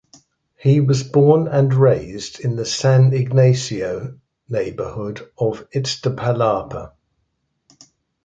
He was born and raised in the San Ignacio neighborhood of Iztapalapa.